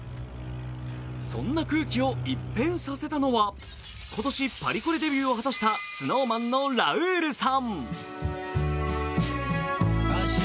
そんな空気を一変させたのは今年パリコレデビューを果たしたＳｎｏｗＭａｎのラウールさん。